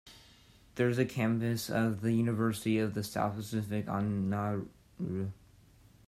There is a campus of the University of the South Pacific on Nauru.